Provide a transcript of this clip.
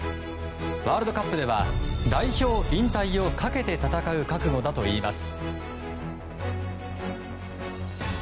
ワールドカップでは代表引退をかけて戦う覚悟だといいます。